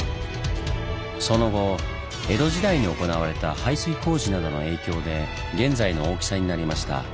その後江戸時代に行われた排水工事などの影響で現在の大きさになりました。